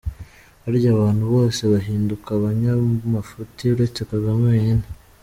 Harya abantu bose bahinduka abanyamafuti uretse Kagame wenyine?